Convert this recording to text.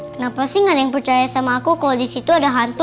kenapa sih gak ada yang percaya sama aku kalau di situ ada hantu